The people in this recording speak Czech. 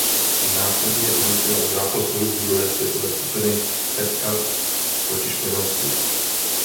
Následně odletěla k zápasu druhé Světové skupiny Fed Cupu proti Španělsku.